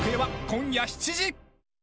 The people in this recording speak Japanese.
今夜７時。